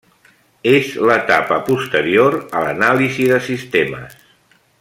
És l'etapa posterior a l'anàlisi de sistemes.